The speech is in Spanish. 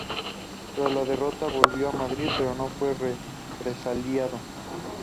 Tras la derrota volvió a Madrid, pero no fue represaliado.